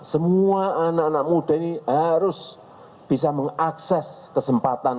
semua anak anak muda ini harus bisa mengakses kesempatan